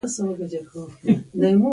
د سېلاب لاره یې بنده کړه؛ بې غمه شو.